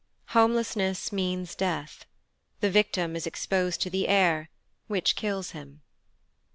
Homelessness means death. The victim is exposed to the air, which kills him.